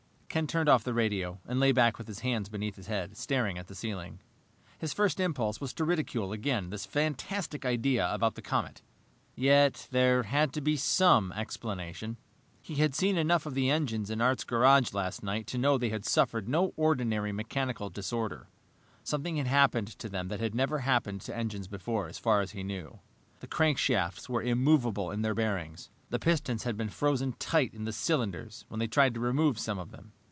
Ken turned off the radio and lay back with his hands beneath his head, staring at the ceiling. His first impulse was to ridicule again this fantastic idea about the comet. Yet, there had to be some explanation. He had seen enough of the engines in Art's garage last night to know they had suffered no ordinary mechanical disorder. Something had happened to them that had never happened to engines before, as far as he knew. The crankshafts were immovable in their bearings. The pistons had been frozen tight in the cylinders when they tried to remove some of them.